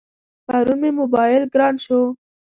پرون مې موبایل گران شو.